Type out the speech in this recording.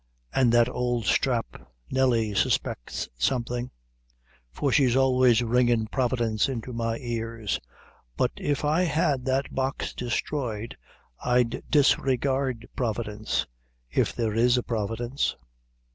an' that ould sthrap, Nelly, suspects something; for she's always ringin Providence into my ears; but if I had that box destroyed, I'd disregard Providence; if there is a Providence."